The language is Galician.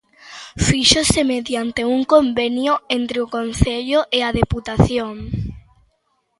Fíxose mediante un convenio entre o concello e a deputación.